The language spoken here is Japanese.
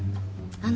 あの！